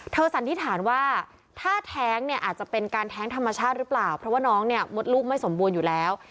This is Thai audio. สันนิษฐานว่าถ้าแท้งเนี่ยอาจจะเป็นการแท้งธรรมชาติหรือเปล่าเพราะว่าน้องเนี่ยมดลูกไม่สมบูรณ์อยู่แล้ว